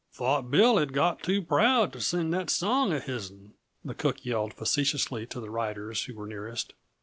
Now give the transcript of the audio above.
"Thought Bill had got too proud t' sing that song uh hisn," the cook yelled facetiously to the riders who were nearest.